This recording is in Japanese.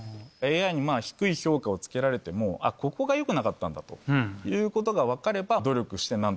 ＡＩに低い評価を付けられても「ここが良くなかったんだ」ということが分かれば。